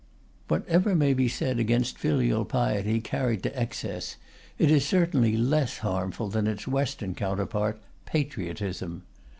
Whatever may be said against filial piety carried to excess, it is certainly less harmful than its Western counterpart, patriotism.